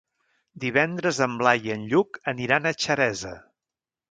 Divendres en Blai i en Lluc aniran a Xeresa.